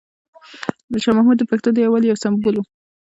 شاه محمود د پښتنو د یووالي یو سمبول و.